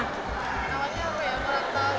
namanya aku yang merata